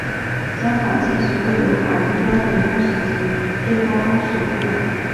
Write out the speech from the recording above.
香港现时未有法定标准工时及最高工时规管。